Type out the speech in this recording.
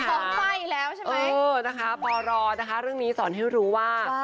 คล้องไฟอีกแล้วใช่ไหมอืมนะคะปรเรื่องนี้สอนให้รู้ว่า